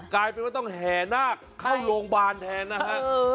กลายเป็นว่าต้องแห่นาคเข้าโรงพยาบาลแทนนะฮะ